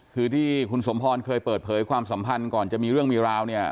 คือที่คุณสมพรเคยเปิดเผยความสัมพันธ์ก่อนจะมีเรื่องมีราวเนี่ย